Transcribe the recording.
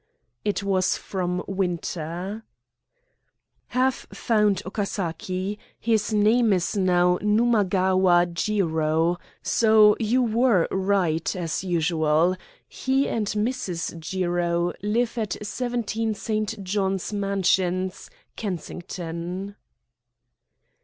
It was from Winter: "Have found Okasaki. His name is now Numagawa Jiro, so you were right, as usual. He and Mrs. Jiro live at 17 St. John's Mansions, Kensington."